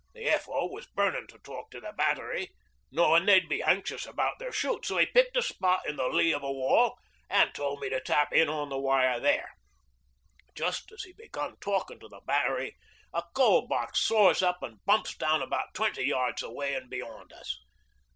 The F.O. was burnin' to talk to the Battery, knowing they'd be anxious about their shoot, so he picked a spot in the lee of a wall an' told me to tap in on the wire there. Just as he began talkin' to the Battery a Coal Box soars up an' bumps down about twenty yards away and beyond us.